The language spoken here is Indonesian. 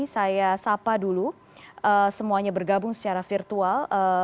saya sapa dulu semuanya bergabung secara virtual